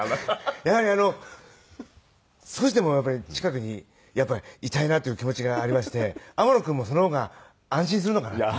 やはり少しでも近くにいたいなっていう気持ちがありまして天野くんもその方が安心するのかなという。